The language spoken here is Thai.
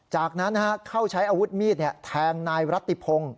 จากนั้นเข้าใช้อาวุธมีดแทงนายรัตติพงศ์